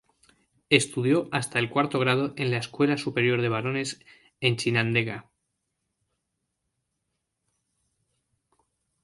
Estudió hasta el cuarto grado en la Escuela Superior de Varones en Chinandega.